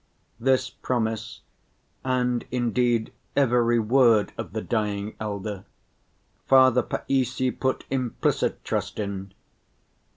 This promise and indeed every word of the dying elder Father Païssy put implicit trust in.